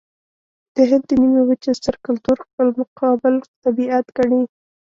د هند د نيمې وچې ستر کلتور خپل مقابل طبیعت ګڼي.